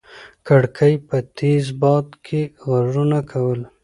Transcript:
کړکۍ په تېز باد کې غږونه کول.